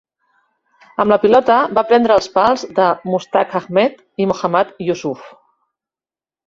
Amb la pilota va prendre els pals de Mushtaq Ahmed i Mohammad Yousuf.